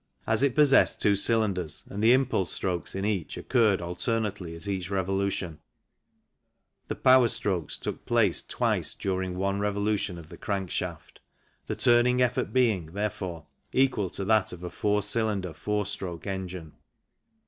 As it possessed two cylinders and the impulse strokes in each occurred alternately at each revolution, the power strokes took place twice during one revolution of the crank shaft, the turning effort being, therefore, equal to that of a four cylinder,, four stroke engine.